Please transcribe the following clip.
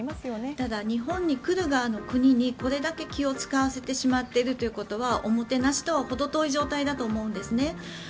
ただ、日本に来る側の国にこれだけ気を使わせてしまっているということはおもてなしとはほど遠い状態だと思うんですね。